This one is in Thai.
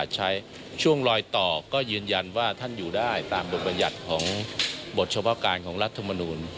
ช่วงลอยต่อก็ยืนยันว่าท่านอยู่ได้ตามบทบรรยัติของบทเฉพาะการของรัฐมนูล